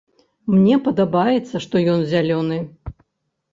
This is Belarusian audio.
Мне падабаецца, што ён зялёны.